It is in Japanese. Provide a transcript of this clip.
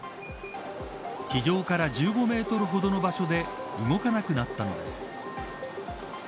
地上から１５メートルほどの場所で動かなくなったのです。